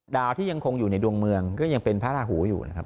ดาวที่ยังคงอยู่ในดวงเมืองก็ยังเป็นพระราหูอยู่นะครับ